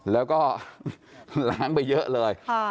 แล้วก็ล้างไปเยอะเลย